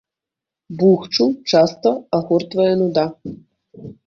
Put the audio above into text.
Бухчу часта агортвае нуда.